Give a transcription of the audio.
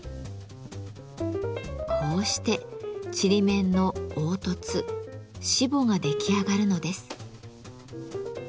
こうしてちりめんの凹凸しぼが出来上がるのです。